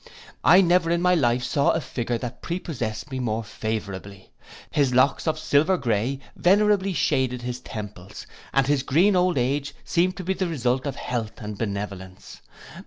I never in my life saw a figure that prepossessed me more favourably. His locks of silver grey venerably shaded his temples, and his green old age seemed to be the result of health and benevolence.